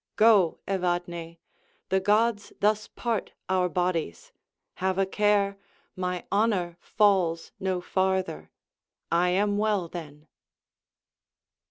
Go, Evadne; The gods thus part our bodies. Have a care My honor falls no farther: I am well, then.